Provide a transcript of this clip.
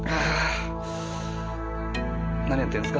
何やってんすか？